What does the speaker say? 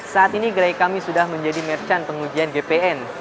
saat ini gerai kami sudah menjadi merchant pengujian gpn